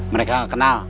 mereka gak kenal